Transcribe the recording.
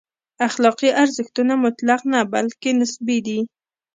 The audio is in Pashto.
اخلاقي ارزښتونه مطلق نه، بلکې نسبي دي.